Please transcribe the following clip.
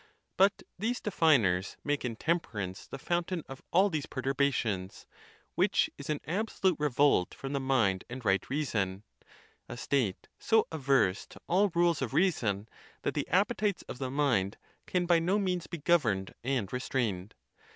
But these definers make intemperance the fountain of all these perturbations; which is an absolute revolt from the mind and right reason —a state so averse to all rules of reason, that the appetites of the mind can by no means be governed and restrained.